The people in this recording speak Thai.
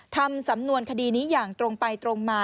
ทำสำนวนคดีนี้อย่างตรงไปตรงมา